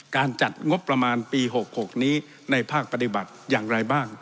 จัดงบประมาณปี๖๖นี้ในภาคปฏิบัติอย่างไรบ้าง